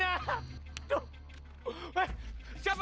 yang dibuat nuek